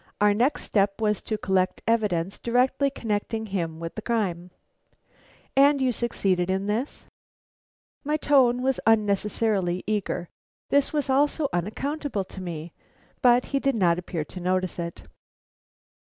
Our next step was to collect evidence directly connecting him with the crime." "And you succeeded in this?" My tone was unnecessarily eager, this was all so unaccountable to me; but he did not appear to notice it.